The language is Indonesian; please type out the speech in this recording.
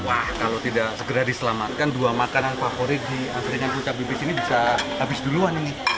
wah kalau tidak segera diselamatkan dua makanan favorit di angkringan puncak bibit ini bisa habis duluan ini